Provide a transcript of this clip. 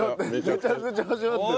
めちゃくちゃ味わってる。